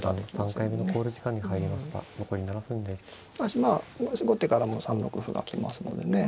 まあ後手からも３六歩が来ますのでね